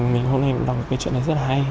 mình hôm nay đọc cái chuyện này rất hay